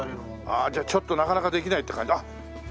あじゃあちょっとなかなかできないって感じ。